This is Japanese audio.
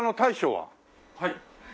はい。